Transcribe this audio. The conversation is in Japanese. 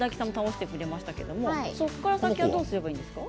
そこから先はどうしたらいいですか？